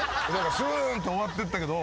すーんって終わってったけど。